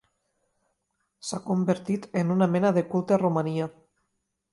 S'ha convertit en un mena de culte a Romania.